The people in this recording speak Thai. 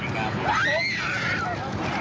กลับมาช่วยกัน